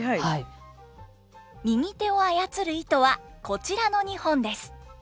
右手をあやつる糸はこちらの２本です。